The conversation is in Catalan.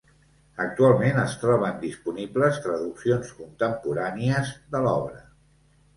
Actualment es troben disponibles traduccions contemporànies de l'obra.